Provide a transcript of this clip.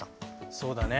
そうだね。